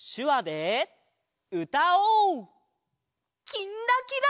「きんらきら」。